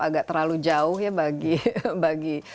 agak terlalu jauh ya bagi